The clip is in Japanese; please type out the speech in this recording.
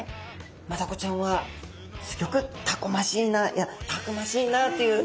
マダコちゃんはすギョくタコましいないやたくましいなという。